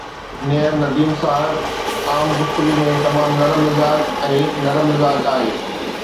نيئر نديم صاحب عام گفتگو ۾ تمام نرم مزاج ۽ نرم مزاج آهي